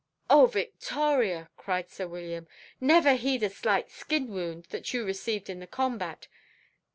"Oh victoria!" cried sir William; "never heed a slight skin wound that you received in the combat."